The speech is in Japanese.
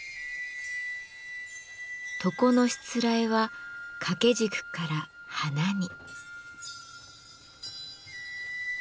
床のしつらえは掛け軸から花に。